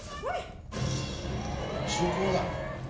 「シロクマだ！」